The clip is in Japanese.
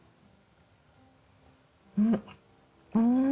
うん。